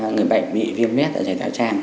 người bệnh bị viêm lết dạ dày dạ trang